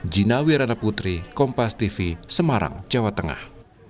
gina wirana putri kompas tv semarang jawa tengah